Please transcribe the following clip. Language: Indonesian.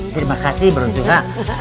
terima kasih bro suha